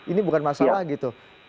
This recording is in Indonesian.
ini bukan masalah gitu